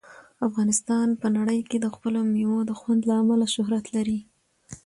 افغانستان په نړۍ کې د خپلو مېوو د خوند له امله شهرت لري.